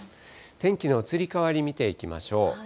天気の移り変わり見ていきましょう。